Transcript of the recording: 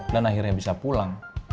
dan akhirnya bisa pulang